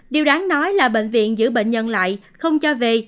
điều đáng nói là bệnh viện giữ bệnh nhân lại không cho về